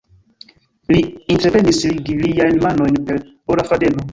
Li entreprenis ligi liajn manojn per ora fadeno.